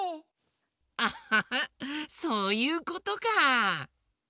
アッハハそういうことか！